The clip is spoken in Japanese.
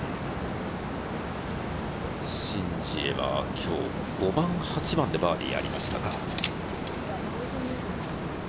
シン・ジエは、５番と８番でバーディーがありました。